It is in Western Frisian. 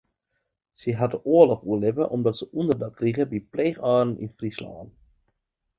Sy hat de oarloch oerlibbe omdat se ûnderdak krige by pleechâlden yn Fryslân.